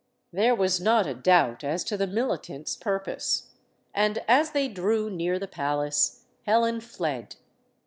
There was not a doubt as to the militants' purpose. And as they drew near the palace, Helen fled.